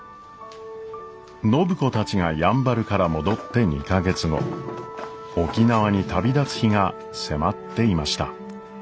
暢子たちがやんばるから戻って２か月後沖縄に旅立つ日が迫っていました。